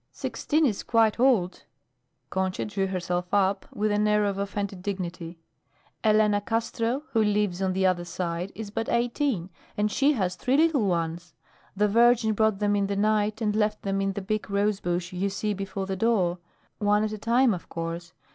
"Sixteen is quite old." Concha drew herself up with an air of offended dignity. "Elena Castro, who lives on the other side, is but eighteen and she has three little ones. The Virgin brought them in the night and left them in the big rosebush you see before the door one at a time, of course.